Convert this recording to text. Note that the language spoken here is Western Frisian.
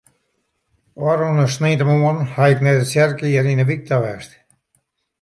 Ofrûne sneintemoarn haw ik nei de tsjerke hjir yn de wyk ta west.